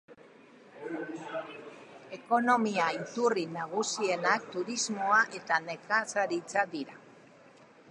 Ekonomia iturri nagusienak turismoa eta nekazaritza dira.